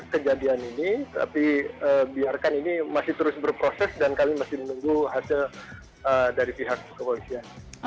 kejadian ini tapi biarkan ini masih terus berproses dan kami masih menunggu hasil dari pihak kepolisian